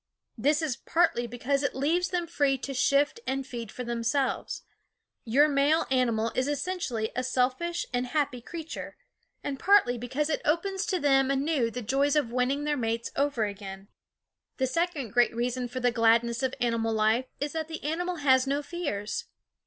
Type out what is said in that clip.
This is partly because it leaves them free to shift and feed for themselves your male animal is essentially a selfish and happy creature and partly because it opens to them anew the joys of winning their mates over again. THE WOODS The second great reason for the gladness of animal life is that the animal has no fears.